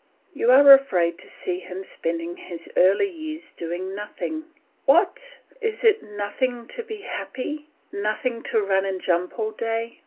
You are afraid to see him spending his early years doing nothing. What! is it nothing to be happy, nothing to run and jump all day?